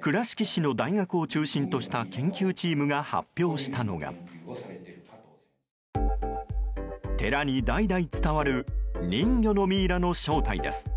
倉敷市の大学を中心とした研究チームが発表したのが寺に代々伝わる人魚のミイラの正体です。